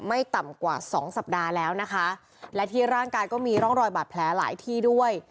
ไม่ต่ำกว่าสองสัปดาห์แล้วนะคะและที่ร่างกายก็มีร่องรอยบาดแผลหลายที่ด้วย